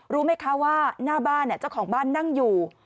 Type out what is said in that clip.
รู้ไหมคะว่าหน้าบ้านเจ้าของบ้านนั่งอยู่